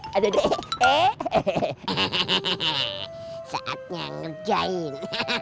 hahaha saatnya ngerjain